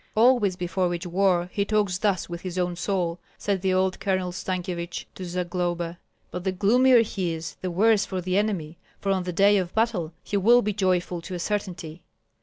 "Always before each war he talks thus with his own soul," said the old Colonel Stankyevich to Zagloba; "but the gloomier he is the worse for the enemy, for on the day of battle he will be joyful to a certainty."